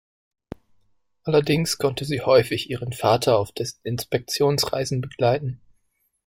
Allerdings konnte sie häufig ihren Vater auf dessen Inspektionsreisen begleiten.